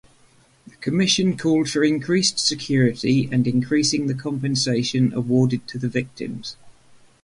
The commission called for increased security and increasing the compensation award to the victims.